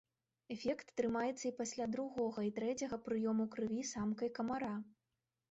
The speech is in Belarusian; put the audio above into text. Эфект трымаецца і пасля другога і трэцяга прыёму крыві самкай камара.